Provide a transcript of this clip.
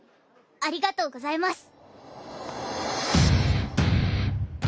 ありがとうございます。